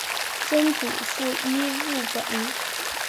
曾祖父尹务本。